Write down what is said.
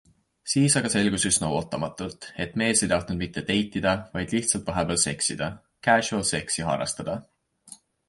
Siis aga selgus üsna ootamatult, et mees ei tahtnud mitte deitida, vaid lihtsalt vahepeal seksida, casual sex'i harrastada.